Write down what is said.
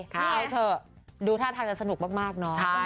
นี่เอาเถอะดูท่าทางจะสนุกมากเนาะ